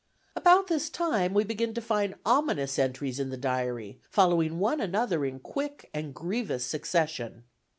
About this time, we begin to find ominous entries in the diary, following one another in quick and grievous succession.